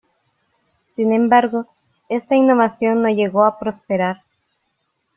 Sin embargo, esta innovación no llegó a prosperar.